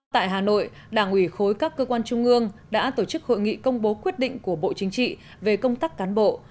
tại hà nội đảng ủy khối các cơ quan trung ương đã tổ chức hội nghị công bố quyết định của bộ chính trị về công tác cán bộ